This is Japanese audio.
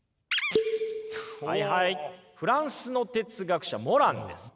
はいはいフランスの哲学者モランです。